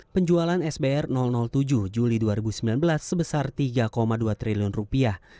penjualan sbr tujuh juli dua ribu sembilan belas sebesar tiga dua triliun rupiah